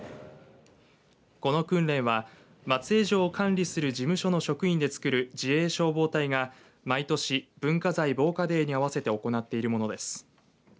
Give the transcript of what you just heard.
この訓練は、松江城を管理する事務所の職員でつくる自衛消防隊が毎年、文化財防火デーに合わせて行っているものです。